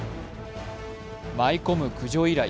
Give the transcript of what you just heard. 舞い込む駆除依頼。